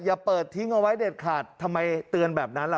อย่าเปิดทิ้งเอาไว้เด็ดขาดทำไมเตือนแบบนั้นล่ะ